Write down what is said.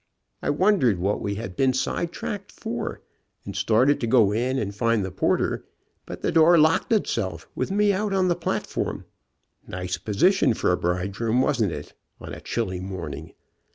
I wondered what we had been side tracked for, and started to go in and find the porter, but the door locked itself with me out on the platform. Nice position for a bridegroom, wasn't it, on a chilly morning?